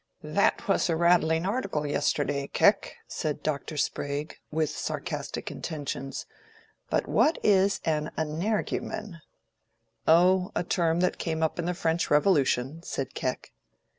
"That was a rattling article yesterday, Keck," said Dr. Sprague, with sarcastic intentions. "But what is an energumen?" "Oh, a term that came up in the French Revolution," said Keck.